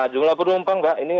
jumlah penumpang mbak ini